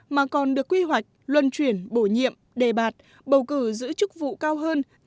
mà còn được quy hoạch luân chuyển bổ nhiệm đề bạt bầu cử giữ chức vụ cao hơn